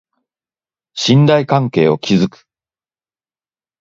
信頼関係を築く